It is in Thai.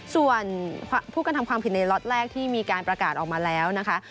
ส่วนผู้กระทำความผิดในล็อตแรกที่มีการประกาศออกมาแล้วนะคะ